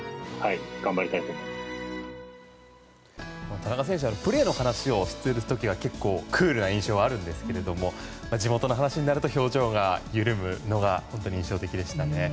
田中選手はプレーの話をしてる時は結構クールな印象があるんですけれども地元の話になると表情が緩むのが印象的でした。